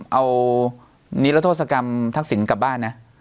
เอานิรโทษกรรมทักษิณกลับบ้านนะ